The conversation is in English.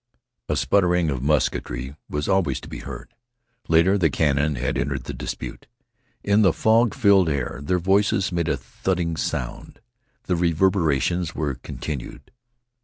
A sputtering of musketry was always to be heard. Later, the cannon had entered the dispute. In the fog filled air their voices made a thudding sound. The reverberations were continued.